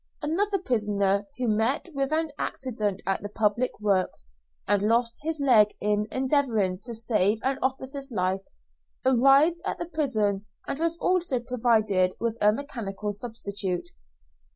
Another prisoner, who met with an accident at the public works, and lost his leg in endeavouring to save an officer's life, arrived at the prison and was also provided with a mechanical substitute.